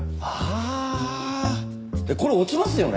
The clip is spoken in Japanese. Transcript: えっこれ落ちますよね？